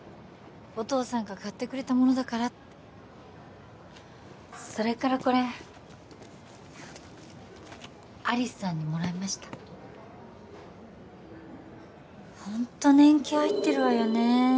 お父さんが買ってくれたものだからってそれからこれ有栖さんにもらいましたホント年季入ってるわよね